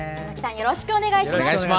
よろしくお願いします。